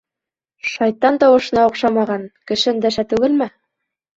Шайтан тауышына оҡшамаған, кеше өндәшә түгелме?